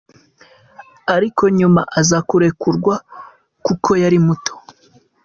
Ariko nyuma aza kurekurwa kuko yari muto.